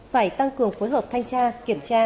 phải tăng cường phối hợp thanh tra kiểm tra